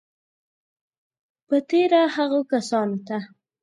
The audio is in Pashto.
په تېره هغو کسانو ته